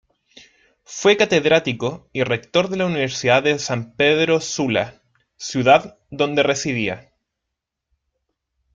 Fue catedrático y Rector de la Universidad de San Pedro Sula, ciudad donde residía.